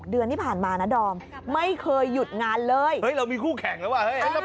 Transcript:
เดือนที่ผ่านมานะดอมไม่เคยหยุดงานเลยเฮ้ยเรามีคู่แข่งแล้วว่ะเฮ้ย